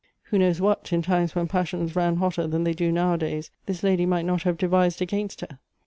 Who knows what, in times when passions ran hotter than they do now a days, this lady might not have devised against her